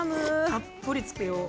たっぷりつけよう。